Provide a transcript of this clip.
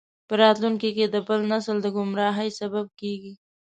په راتلونکي کې د بل نسل د ګمراهۍ سبب کیږي.